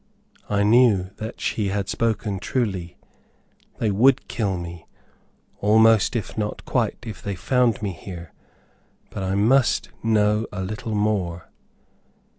I knew that she had spoken truly they WOULD kill me, almost, if not quite, if they found me there; but I must know a little more.